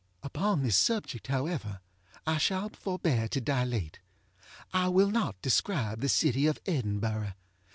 Upon this subject, however, I shall forbear to dilate. I will not describe the city of Edinburgh.